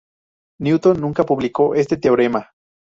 Newton nunca publicó este teorema.